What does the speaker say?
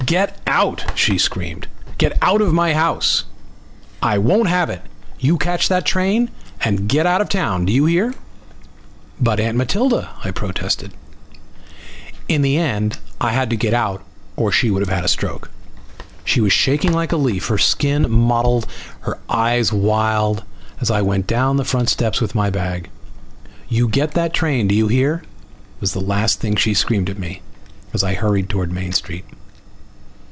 "Get out!" she screamed. "Get out of my house! I won't have it! You catch that train and get out of town. Do you hear?" "But, Aunt Matilda!" I protested. In the end I had to get out or she would have had a stroke. She was shaking like a leaf, her skin mottled and her eyes wild, as I went down the front steps with my bag. "You get that train, do you hear?" was the last thing she screamed at me as I hurried toward Main Street.